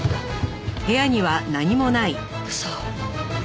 嘘。